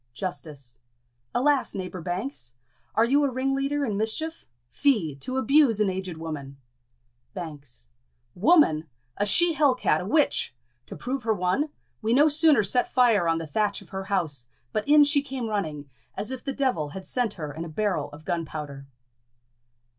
Justice. Alas, neighbour Banks! are you a ringleader in mischief? Fie! to abuse an aged woman! Banks. Woman! a she hell cat, a witch! To prove her one, we no sooner set fire on the thatch of her house, but in she came running, as if the devil had sent her in a barrel of gunpowder.